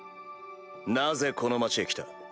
なぜこの町へ来た？